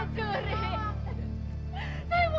jarum juga penjuri